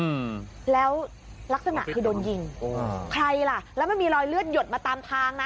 อืมแล้วลักษณะคือโดนยิงโอ้ใครล่ะแล้วมันมีรอยเลือดหยดมาตามทางนะ